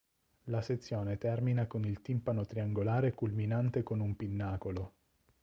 La sezione termina con il timpano triangolare culminante con un pinnacolo.